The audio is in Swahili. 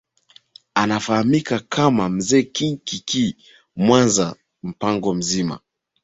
Anafahamika kama Mzee King Kikii Mwanza mpango mzima